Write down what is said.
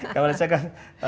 kalau saya kan